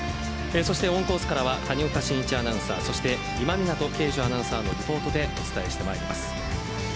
そしてオンコースから谷岡慎一アナウンサー今湊敬樹アナウンサーのレポートでお伝えしてまいります。